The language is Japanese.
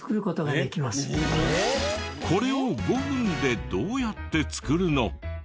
これを５分でどうやって作るの？